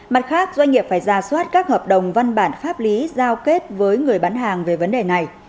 mặt khác doanh nghiệp phải ra soát các hợp đồng văn bản pháp lý giao kết với người bán hàng về vấn đề này